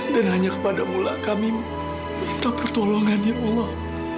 dan hanya kepada mu lah kami minta pertolongan ya allah